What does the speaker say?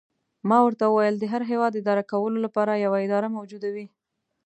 ما ورته وویل: د هر هیواد اداره کولو لپاره یوه اداره موجوده وي.